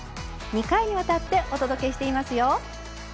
２回にわたってお届けしていますよ。